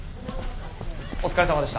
お疲れさまでした。